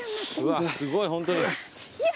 うわすごいホントに。